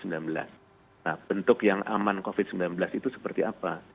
nah bentuk yang aman covid sembilan belas itu seperti apa